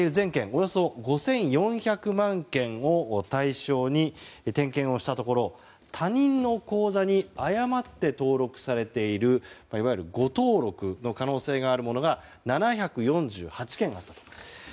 およそ５４００万件を対象に点検をしたところ、他人の口座に誤って登録されているいわゆる誤登録の可能性があるものが７４８件あったと。